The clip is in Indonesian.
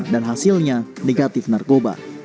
dan hasilnya negatif narkoba